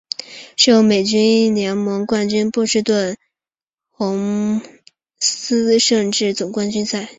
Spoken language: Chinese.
是由美国联盟冠军波士顿红袜队与国家联盟冠军圣路易红雀队举行七战四胜制总冠军赛。